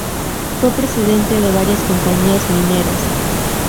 Fue presidente de varias compañías mineras.